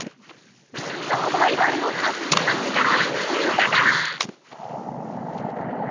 サバイバルの達人の力見たか！